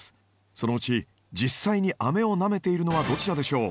そのうち実際にあめをなめているのはどちらでしょう？